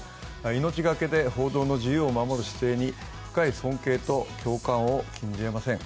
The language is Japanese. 命がけで報道の自由を守る姿勢に深い尊敬と共感を感じえません。